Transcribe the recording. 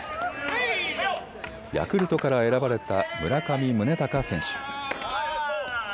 ヤクルトから選ばれた村上宗隆選手。